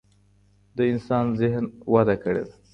د انسان ذهن وده کړې ده.